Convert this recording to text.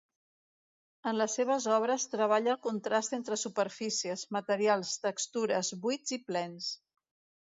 En les seves obres treballa el contrast entre superfícies, materials, textures, buits i plens.